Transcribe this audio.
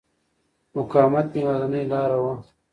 مقاومت مې یوازینۍ لاره وه.